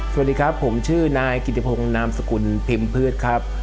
สวัสดีครับผมชื่อนายกิติพงศ์นามสกุลพิมพ์พืชครับ